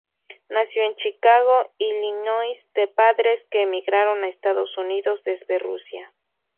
Nació en Chicago, Illinois de padres que emigraron a Estados Unidos desde Rusia.